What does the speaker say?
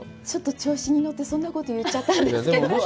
ちょっと調子に乗ってそんなこと言っちゃったんですけど。